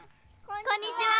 こんにちは。